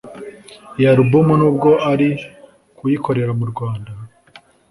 Iyi Album n’ubwo ari kuyikorera mu Rwanda